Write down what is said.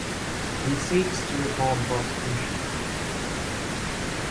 He seeks to reform prosecution.